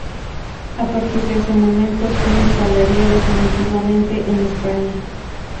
A partir de ese momento se instalaría definitivamente en España.